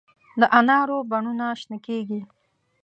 د انارو بڼونه شنه کیږي